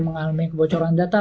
mengalami kebocoran data